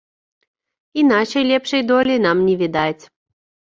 Іначай лепшай долі нам не відаць.